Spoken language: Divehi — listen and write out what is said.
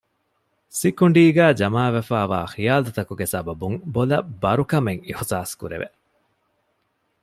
ސިކުނޑީގައި ޖަމާވެފައިވާ ޚިޔާލުތަކުގެ ސަބަބުން ބޮލަށް ބަރުކަމެއް އިޙުސާސްކުރެވެ